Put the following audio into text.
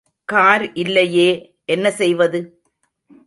Car இல்லையே என்ன செய்வது?